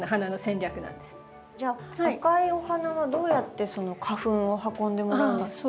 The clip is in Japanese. じゃあ赤いお花はどうやって花粉を運んでもらうんですか？